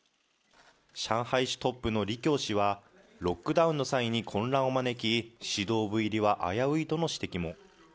上海市トップの李強氏は、ロックダウンの際に混乱を招き、指導部入りは危ういとの指摘も。